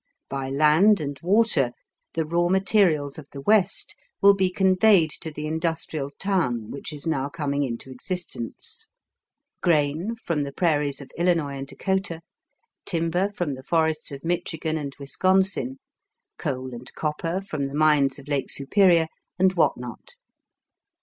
By land and water the raw materials of the West will be conveyed to the industrial town which is now coming into existence; grain from the prairies of Illinois and Dakota; timber from the forests of Michigan and Wisconsin; coal and copper from the mines of Lake Superior; and what not.